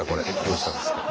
どうしたんですか？